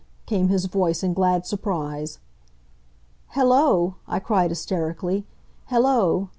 came his voice in glad surprise. "Hello!" I cried, hysterically. "Hello!